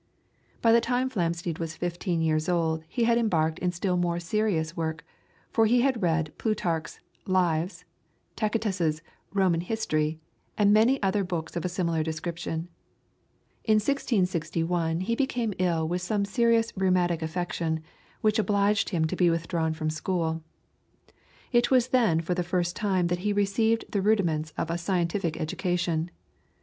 By the time Flamsteed was fifteen years old he had embarked in still more serious work, for he had read Plutarch's "Lives," Tacitus' "Roman History," and many other books of a similar description. In 1661 he became ill with some serious rheumatic affection, which obliged him to be withdrawn from school. It was then for the first time that he received the rudiments of a scientific education.